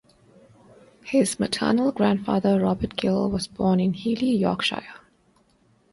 His maternal grandfather, Robert Gill, was born in Heeley, Yorkshire.